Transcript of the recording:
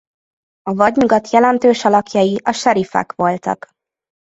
A Vadnyugat jelentős alakjai a seriffek voltak.